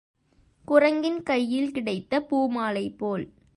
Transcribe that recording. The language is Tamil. குரங்கின் கையில் கிடைத்த பூமாலை போல்.